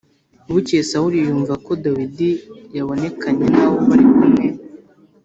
Bukeye Sawuli yumva ko Dawidi yabonekanye n’abo bari kumwe.